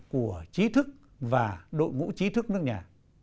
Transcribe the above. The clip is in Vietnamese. của chí thức và đội ngũ chí thức nước nhà